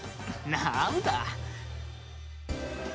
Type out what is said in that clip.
なんだ。